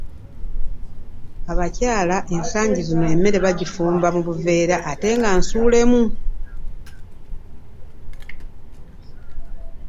abakyala ensangi zino emmere bagifumba mu buveera ate nga nsulemu